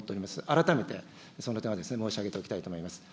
改めてその点は申し上げておきたいと思います。